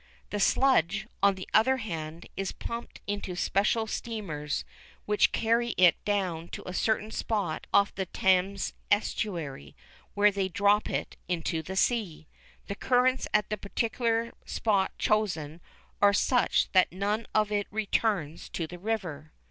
The sludge, on the other hand, is pumped into special steamers, which carry it down to a certain spot off the Thames Estuary, where they drop it into the sea. The currents at the particular spot chosen are such that none of it returns to the river.